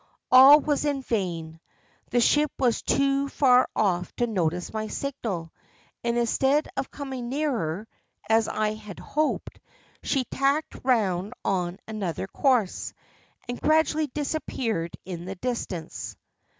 All was in vain: the ship was too far off to notice my signal, and instead of coming nearer, as I had hoped, she tacked round on another course, and gradually disappeared in the distance.